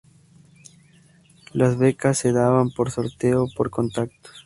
Las becas se daban por sorteo o por contactos.